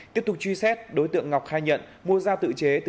tiếp tục truy xét đối tượng ngọc khai nhận mua dao tự chế từ nhỏ